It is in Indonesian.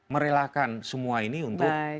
merelakan semua ini untuk